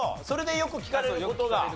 それでよく聞かれる事が。